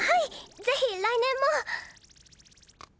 ぜひ来年も。